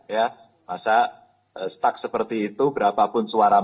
ya masa stuck seperti itu berapapun suara mereka